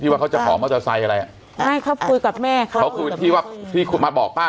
ว่าเขาจะขอมอเตอร์ไซค์อะไรอ่ะไม่เขาคุยกับแม่เขาเขาคุยที่ว่าที่คุณมาบอกป้า